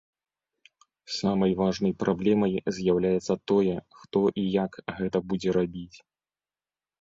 Самай важнай праблемай з'яўляецца тое, хто і як гэта будзе рабіць.